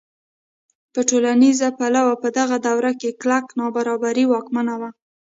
په ټولنیز پلوه په دغه دوره کې کلکه نابرابري واکمنه وه.